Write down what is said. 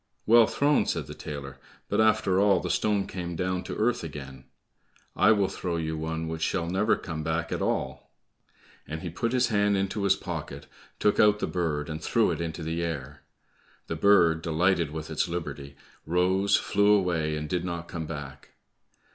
"Well thrown," said the tailor, "but after all the stone came down to earth again; I will throw you one which shall never come back at all." And he put his hand into his pocket, took out the bird, and threw it into the air. The bird, delighted with its liberty, rose, flew away and did not come back.